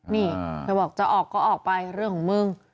นี่เธอบอกจะออกก็ออกไปเรื่องของมึง